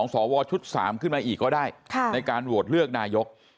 สวชุด๓ขึ้นมาอีกก็ได้ในการโหวตเลือกนายก